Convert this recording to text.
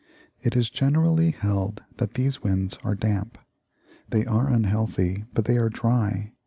It is generally held that these winds are damp. They are unhealthy, but they are dry.